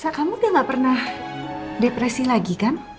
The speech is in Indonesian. sa kamu udah gak pernah depresi lagi kan